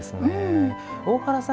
大原さん